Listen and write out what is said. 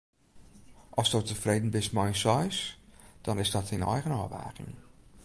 Asto tefreden bist mei in seis, dan is dat dyn eigen ôfwaging.